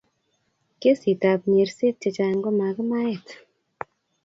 kesit ab nyerset che chang komakimaet